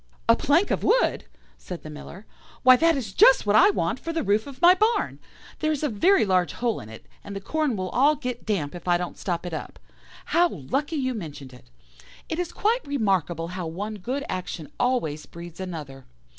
"'A plank of wood!' said the Miller; 'why, that is just what I want for the roof of my barn. There is a very large hole in it, and the corn will all get damp if I don't stop it up. How lucky you mentioned it! It is quite remarkable how one good action always breeds another.